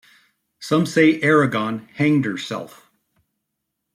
Some say Erigone hanged herself.